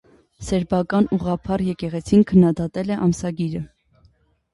Սերբական ուղղափառ եկեղեցին քննադատել է ամսագիրը։